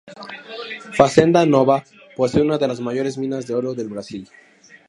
Fazenda Nova posee una de las mayores minas de oro del Brasil.